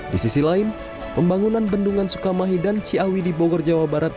di sisi lain pembangunan bendungan sukamahi dan ciawi di bogor jawa barat